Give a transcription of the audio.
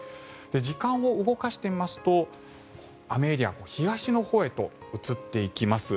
時間を動かしてみますと雨エリア、東のほうへと移っていきます。